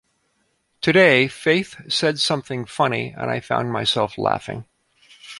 Today Faith said something funny and I found myself laughing.